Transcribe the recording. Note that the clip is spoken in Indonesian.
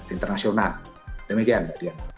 internasional demikian mbak diana